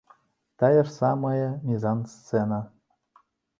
Тая ж самая мізансцэна.